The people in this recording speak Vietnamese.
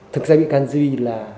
thực ra bị can duy là